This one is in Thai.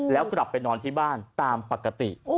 แล้วกลับไปนอนที่บ้านตามปกติ